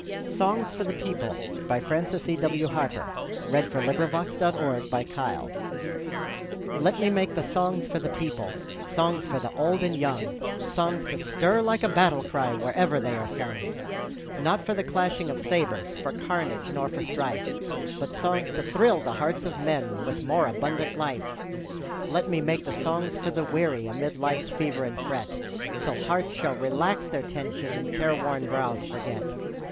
E F . G H . I J . K L . M N . O P . Q R . S T . U V . W X . Y Z Songs for the People LET me make the songs for the people, Songs for the old and young; Songs to stir like a battle cry Wherever they are sung. Not for the clashing of sabres, For carnage nor for strife; But songs to thrill the hearts of men With more abundant life. Let me make the songs for the weary, Amid life's fever and fret, Till hearts shall relax their tension, And careworn brows forget.